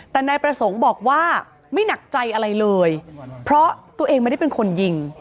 แต่นายประสงค์บอกว่าไม่หนักใจอะไรเลยเพราะตัวเองไม่ได้เป็นคนยิง